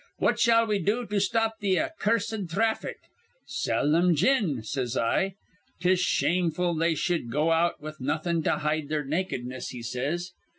'What shall we do to stop th' ac cursed thraffic? Sell thim gin,' says I. ''Tis shameful they shud go out with nawthin' to hide their nakedness,' he says.